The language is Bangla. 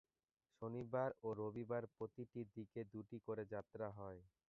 শনিবার ও রবিবার প্রতিটি দিকে দুটি করে যাত্রা হয়।